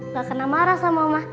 gak kena marah sama oma